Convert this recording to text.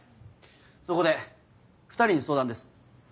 そこで２人に相談です。